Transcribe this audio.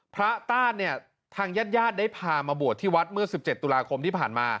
ต้านเนี่ยทางญาติญาติได้พามาบวชที่วัดเมื่อ๑๗ตุลาคมที่ผ่านมา